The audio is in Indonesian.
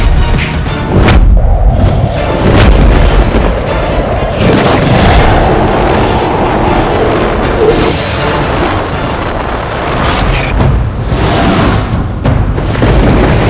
terima kasih sekali